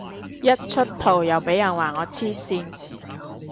一出圖又俾人話我黐線